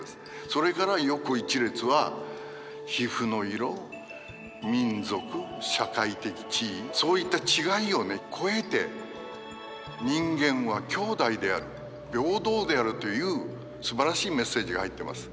それから横一列は皮膚の色民族社会的地位そういった違いをね超えて人間は兄弟である平等であるというすばらしいメッセージが入ってます。